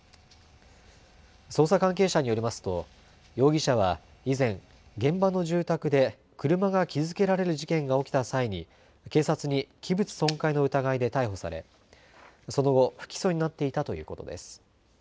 捜査関係者によりますと容疑者は以前、現場の住宅で車が傷つけられる事件が起きた際に警察に器物損壊の疑いで逮捕されその後、不起訴になっていたということです。